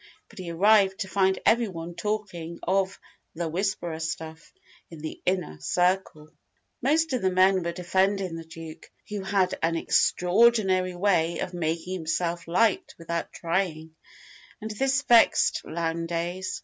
But he arrived to find everyone talking of "the 'Whisperer' stuff" in the Inner Circle. Most of the men were defending the Duke, who had an extraordinary way of making himself liked without trying; and this vexed Lowndes.